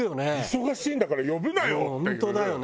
忙しいんだから呼ぶなよっていう。